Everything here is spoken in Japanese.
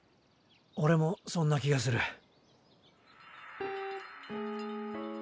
オレもそんな気がする。